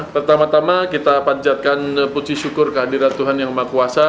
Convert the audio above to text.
pertama tama kita panjatkan puji syukur kehadiran tuhan yang maha kuasa